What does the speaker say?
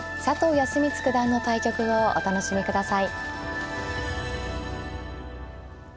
康光九段の対局をお楽しみください。